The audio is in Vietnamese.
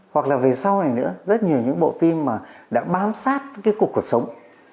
hoặc là về sau này nữa rất nhiều những bộ phim mà đã bám sát cái cuộc cuộc sống